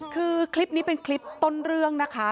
คือคลิปนี้เป็นคลิปต้นเรื่องนะคะ